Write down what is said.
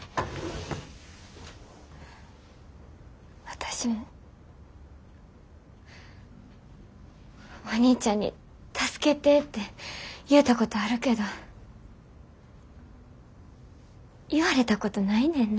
私もお兄ちゃんに助けてって言うたことあるけど言われたことないねんな。